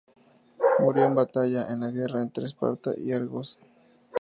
Murió en batalla, en la guerra entre Esparta y Argos.